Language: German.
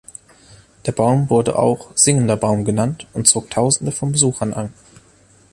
Der Baum wurde auch "Singender Baum" genannt und zog Tausende von Besuchern an.